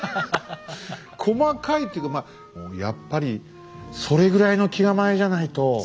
細かいというかやっぱりそれぐらいの気構えじゃないとできないよね。